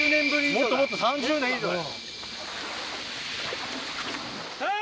もっともっと３０年以上だよ。